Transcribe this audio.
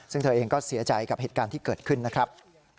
ซึ่งเธอเองก็เสียใจกับเหตุการณ์ที่เกิดขึ้นนะครับ